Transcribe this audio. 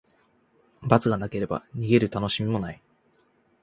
罰がなければ、逃げるたのしみもない。